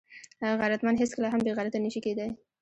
غیرتمند هیڅکله هم بېغیرته نه شي کېدای